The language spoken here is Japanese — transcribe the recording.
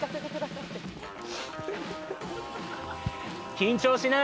緊張しない。